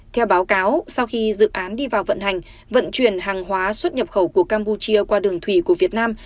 theo báo cáo sau khi dự án đi vào vận hành vận chuyển hàng hóa xuất nhập khẩu của campuchia qua đường thủy của việt nam